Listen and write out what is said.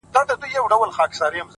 • آس په زین او په سورلیو ښه ښکاریږي ,